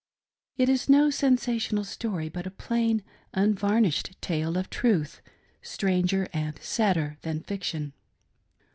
It is no sensational story, but. a plain, unvarnished tale of truth, stranger and sadder than fiction.